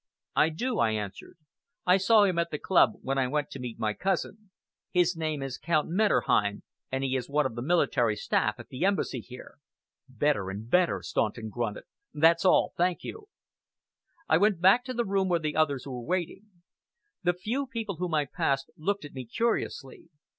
"I do," I answered. "I saw him at the club when I went to meet my cousin. His name is Count Metterheim, and he is on the military staff at the Embassy here." "Better and better," Staunton grunted. "That's all, thank you!" I went back to the room where the others were waiting. The few people whom I passed looked at me curiously.